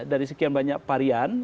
dari sekian banyak parian